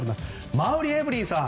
馬瓜エブリンさん